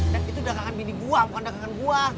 dan itu dagangan pini gua bukan dagangan gua